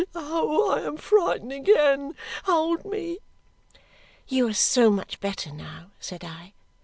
Oh, I am frightened again. Hold me!" "You are so much better now," sald I.